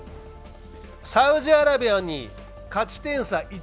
サウジアラビアに勝ち点差